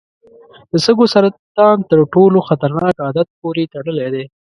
د سږو سرطان تر ټولو خطرناک عادت پورې تړلی دی.